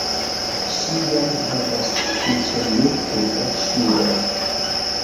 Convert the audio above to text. Ŝi jam havas sufiĉe multe da ŝuoj